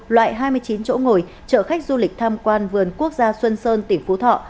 loại hai mươi chín chỗ ngồi chở khách du lịch tham quan vườn quốc gia xuân sơn tỉnh phú thọ